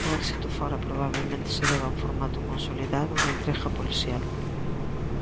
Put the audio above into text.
O éxito fóra probabelmente se deba a un formato consolidado de intriga policial.